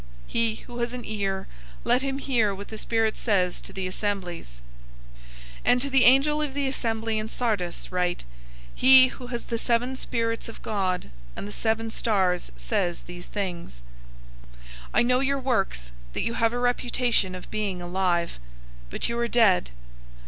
002:029 He who has an ear, let him hear what the Spirit says to the assemblies. 003:001 "And to the angel of the assembly in Sardis write: "He who has the seven Spirits of God, and the seven stars says these things: "I know your works, that you have a reputation of being alive, but you are dead.